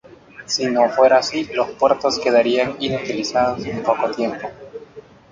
Si no fuera así, los puertos quedarían inutilizados en poco tiempo.